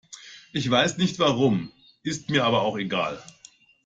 Ich weiß nicht warum, ist mir aber auch egal.